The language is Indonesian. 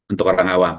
untuk orang awam